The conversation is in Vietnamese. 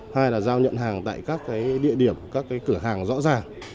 hai là giao nhận hàng tại các địa điểm các cửa hàng rõ ràng